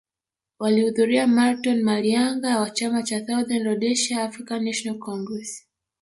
Walihudhuria Marton Malianga wa chama cha Southern Rhodesia African National Congress